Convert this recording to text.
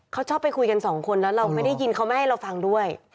เขาชอบไปคุยกันสองคนแล้วเราไม่ได้ยินเขาไม่ให้เราฟังด้วย